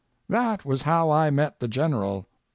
That was how I met the General.